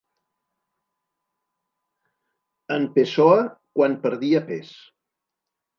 En Pessoa quan perdia pes.